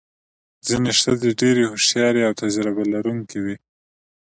ځینې ښځې ډېرې هوښیارې او تجربه لرونکې وې.